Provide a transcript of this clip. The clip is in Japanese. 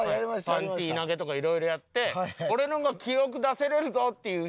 パンティ投げとかいろいろやって俺の方が記録出せるぞっていう人が来てくれました。